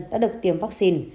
đã được tiêm vaccine